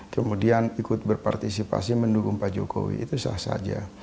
kemudian ikut berpartisipasi mendukung pak jokowi itu sah saja